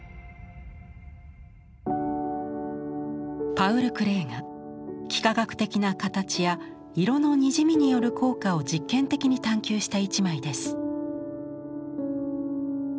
パウル・クレーが幾何学的な形や色のにじみによる効果を実験的に探求した一枚です。